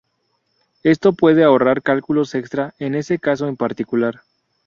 Esto puede ahorrar cálculos extra en ese caso en particular.